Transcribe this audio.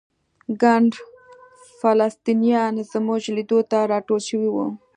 ګڼ فلسطینیان زموږ لیدو ته راټول شوي وو.